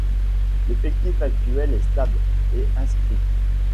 L'effectif actuel est stable, et inscrits.